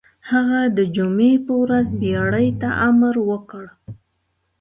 هغه د جمعې په ورځ بېړۍ ته امر وکړ.